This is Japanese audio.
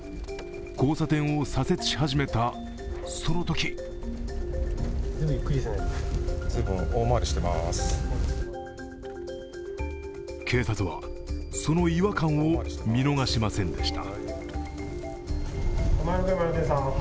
交差点を左折し始めたそのとき警察は、その違和感を見逃しませんでした。